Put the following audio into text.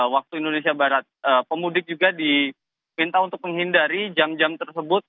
waktu indonesia barat pemudik juga diminta untuk menghindari jam jam tersebut